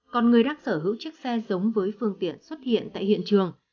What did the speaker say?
còn người đang sở hữu chiếc xe giống với phương tiện xuất hiện tại hiện trường